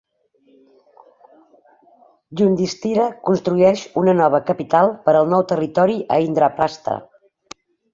Yudhishthira construeix una nova capital per al nou territori a Indraprastha.